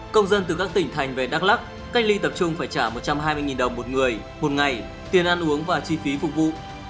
công dân từ các tỉnh thành về đắk lắc cách ly tập trung phải trả một trăm hai mươi đồng một người một ngày tiền ăn uống và chi phí phục vụ